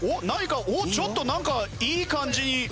何かおっちょっとなんかいい感じに。